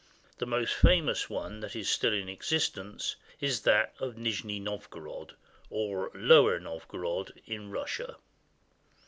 The most famous one that is still in ex istence is that of Nijni Novgorod, or Lower Novgorod, in Russia.